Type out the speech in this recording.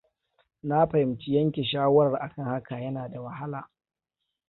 Na fahimci yanke shawarar akan haka yana da wahala.